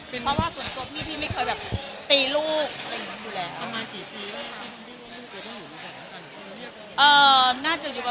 เพราะว่าส่วนตัวพี่พี่ไม่เคยแบบตีลูกอะไรอย่างนี้อยู่แล้ว